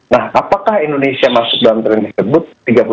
nah apakah indonesia masuk dalam tren tersebut